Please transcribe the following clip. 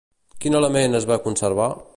Quin element es va conservar?